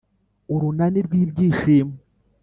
urunani rw'ibyishimo